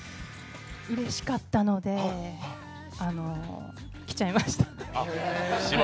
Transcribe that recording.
うれしかったので、来ちゃいました。